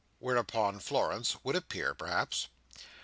Whereupon Florence would appear, perhaps.